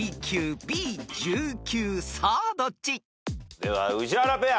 では宇治原ペア。